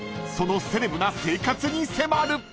［そのセレブな生活に迫る］